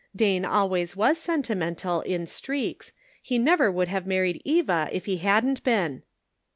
Dane always was sentimental, in streaks ; he never would have married Eva if he hadn't been."